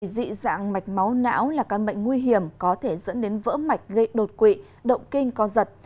dị dạng mạch máu não là căn bệnh nguy hiểm có thể dẫn đến vỡ mạch gây đột quỵ động kinh co giật